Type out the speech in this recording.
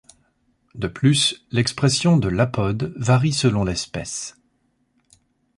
De plus, l'expression de l'ApoD varie selon l’espèce.